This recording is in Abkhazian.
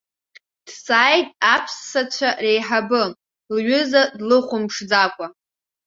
Дҵааит аԥссацәа реиҳабы, лҩыза длыхәамԥшӡакәа.